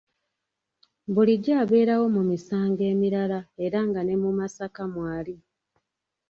Bulijjo abeerawo mu misango emirala era nga ne mu Masaka mwali.